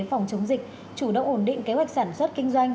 phòng chống dịch chủ động ổn định kế hoạch sản xuất kinh doanh